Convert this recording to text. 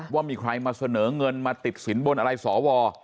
ว่ามีใครมาเสนอเงินมาติดสินบนอะไรสว